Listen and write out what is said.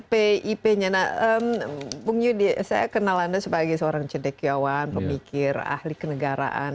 pip nya nah bung yudi saya kenal anda sebagai seorang cedekiawan pemikir ahli kenegaraan